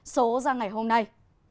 số ra ngày hôm nay